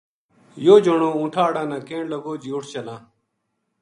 یوہ جنو اونٹھاں ہاڑا نا کہن لگو جی اُٹھ چلاں